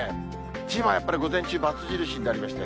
千葉はやっぱり午前中、ばつ印になりました。